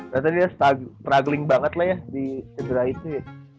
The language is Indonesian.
rata dia struggling banget lah ya di cedera itu ya